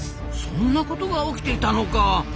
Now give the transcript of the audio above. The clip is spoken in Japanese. そんなことが起きていたのか！